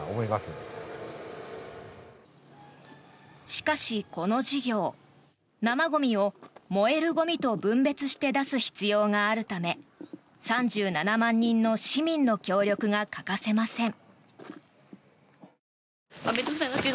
しかし、この事業生ゴミを燃えるゴミと分別して出す必要があるため３７万人の市民の協力が欠かせません。